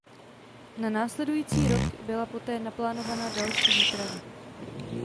Na následující rok byla poté naplánována další výprava.